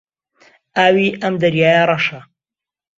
ئاوی ئەم دەریایە ڕەشە.